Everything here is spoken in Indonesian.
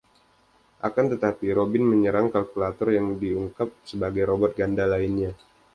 Akan tetapi, Robin menyerang Calculator yang diungkap sebagai robot ganda lainnya.